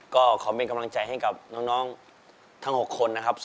ก็ขอเป็นกำลังใจให้กับน้องทั้ง๖คนนะครับ